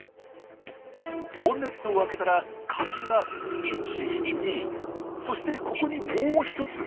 ボンネットを開けたらカキが１２そしてここにもう１つ！